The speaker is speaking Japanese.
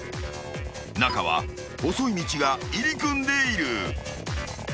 ［中は細い道が入り組んでいる］